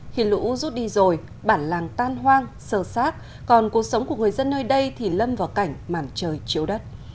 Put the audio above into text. khi lũ rút đi rồi bản làng tan hoang sờ sát còn cuộc sống của người dân nơi đây thì lâm vào cảnh màn trời chiếu đất